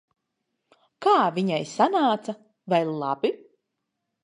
Kā viņai sanāca? Vai labi?